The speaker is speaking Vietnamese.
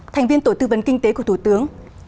thành viên tổ tư vấn kinh tế của thủ tướng